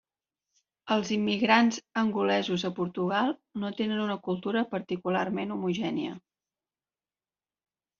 Els immigrants angolesos a Portugal no tenen una cultura particularment homogènia.